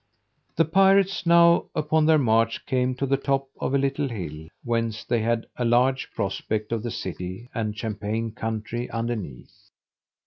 The pirates, now upon their march, came to the top of a little hill, whence they had a large prospect of the city and champaign country underneath.